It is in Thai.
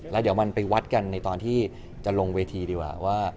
แล้วเดี๋ยวมันไปวัดกันในตอนที่จะลงเวทีดีกว่าว่า